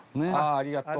ありがとう！